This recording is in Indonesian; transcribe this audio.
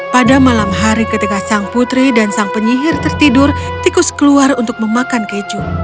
pada malam hari ketika sang putri dan sang penyihir tertidur tikus keluar untuk memakan keju